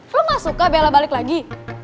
lo gak suka bella balik lagi